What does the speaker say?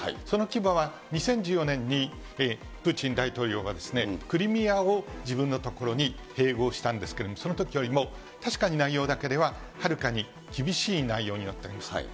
その規模は、２０１４年にプーチン大統領がクリミアを自分のところに併合したんですけれども、そのときよりも確かに内容だけでははるかに厳しい内容になったんです。